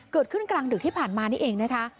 เกิดขึ้นกลางดึกที่ผ่านมานี่เองนะคะ